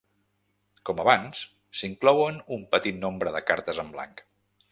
Com abans, s'inclouen un petit nombre de cartes en blanc.